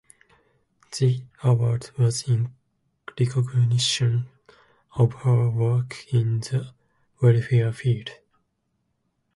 The award was in recognition of her work in the welfare field.